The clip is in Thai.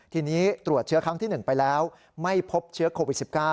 ทีนี้ตรวจเชื้อ๑ไปแล้วไม่พบเชื้อโควิด๑๙